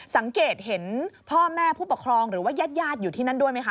สังเกตเห็นพ่อแม่ผู้ปกครองหรือว่าญาติอยู่ที่นั่นด้วยไหมค